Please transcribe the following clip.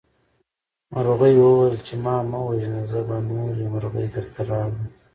مرغۍ وویل چې ما مه وژنه زه به نورې مرغۍ درته راوړم.